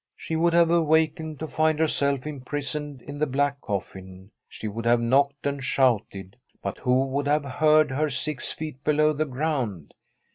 She w^ould have awakened to find herself imprisoned in the black coffin. She would have knocked and shouted; but who would have heard her six feet below the ground